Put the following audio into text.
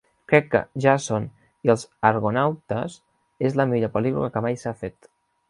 Crec que "Jàson i els argonautes" és la millor pel·lícula que mai s'ha fet.